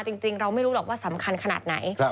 จริงเราไม่รู้หรอกว่าสำคัญขนาดไหน